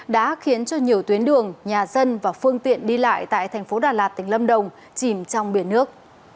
đã khiến cho nhiều tuyến đường nhà dân và phương tiện đi lại tại thành phố đà lạt tỉnh lâm đồng chìm trong biển nước